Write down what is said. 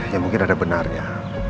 ya mungkin ada benarnya